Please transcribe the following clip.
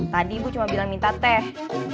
tadi ibu cuma bilang minta teh